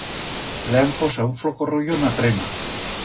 Le han posau un floco royo n'a trena.